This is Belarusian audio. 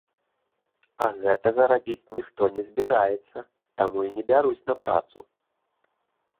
А гэтага рабіць ніхто не збіраецца, таму і не бяруць на працу.